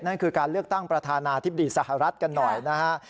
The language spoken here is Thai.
นั่นคือการเลือกตั้งประธานาธิบดีสหรัฐกันหน่อยนะฮะ